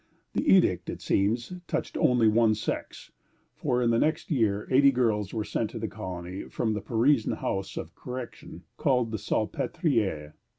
The edict, it seems, touched only one sex, for in the next year eighty girls were sent to the colony from the Parisian House of Correction called the Salpêtrière.